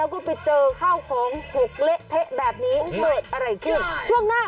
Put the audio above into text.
คู่กับสบัติค่ะ